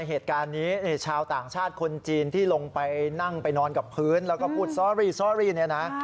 แล้วก็มีชาวต่างชาติคนจีนที่ลงไปนั่งไปนอนกับพื้น